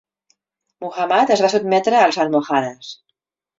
Muhammad es va sotmetre als almohades.